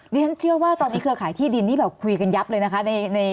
เรียนเชื่อว่าตอนนี้เครือขายที่ดินนี่แบบคุยกันยับเลยนะคะ